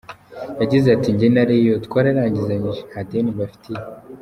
Yagize ati “Njye na Rayon twararangizanyije, nta deni mbafitiye.